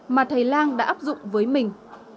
mà thầy lang đã áp dụng với mình